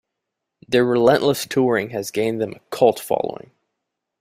Their relentless touring has gained them a cult following.